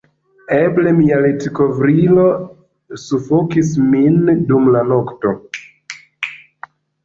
Eble mia litkovrilo sufokis min dum la nokto...